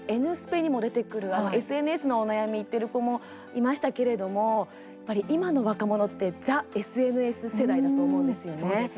ぺにも出てくるＳＮＳのお悩み言ってる子もいましたけれどもやっぱり今の若者ってザ・ＳＮＳ世代だと思うんですよね。